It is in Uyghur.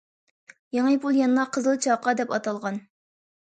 يېڭى پۇل يەنىلا قىزىل چاقا دەپ ئاتالغان.